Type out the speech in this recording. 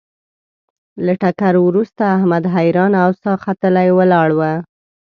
له ټکر ورسته احمد حیران او ساه ختلی ولاړ و.